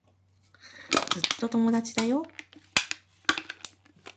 ずっと友達だよ。